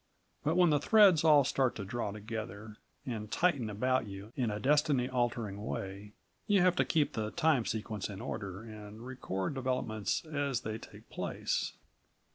But when the threads all start to draw together and tighten about you in a destiny altering way you have to keep the time sequence in order and record developments as they take place.